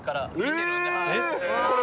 これ？